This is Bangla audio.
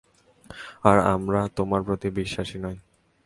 আর আমরা তোমার প্রতি বিশ্বাসী নই।